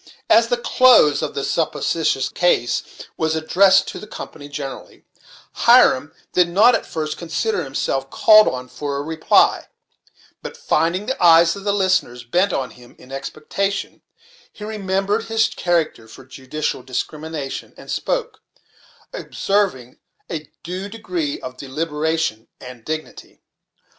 As the close of this supposititious case was addressed to the company generally, Hiram did not at first consider himself called on for a reply; but finding the eyes of the listeners bent on him in expectation, he remembered his character for judicial discrimination, and spoke, observing a due degree of deliberation and dignity.